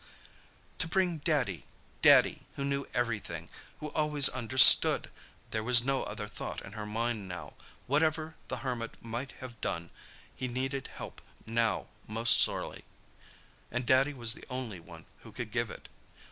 To bring Daddy—Daddy, who knew everything, who always understood! There was no other thought in her mind now. Whatever the Hermit might have done, he needed help now most sorely—and Daddy was the only one who could give it.